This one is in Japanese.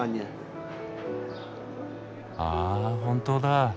ああ本当だ。